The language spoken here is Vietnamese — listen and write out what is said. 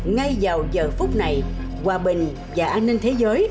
ngay vào giờ phút này hòa bình và an ninh thế giới